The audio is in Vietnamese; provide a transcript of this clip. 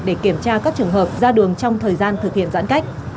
để kiểm tra các trường hợp ra đường trong thời gian thực hiện giãn cách